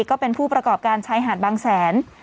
ก็เป็นผู้ประกอบการชายหาดบางแสน